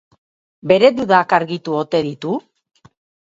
Bere dudak argitu ote ditu?